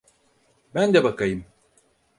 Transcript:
Ben de bakayım.